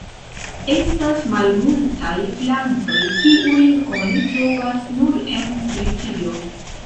Estas malmultaj plantoj kiujn oni trovas nur en Britio.